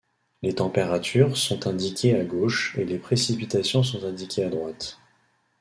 Les températures sont indiquées à gauche et les précipitations sont indiquées à droite.